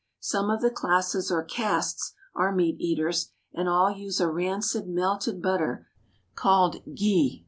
Some of the classes or castes are meat eaters, and all use a rancid melted butter called ghee.